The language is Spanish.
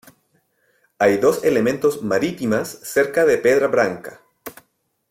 Hay dos elementos marítimas cerca de Pedra Branca.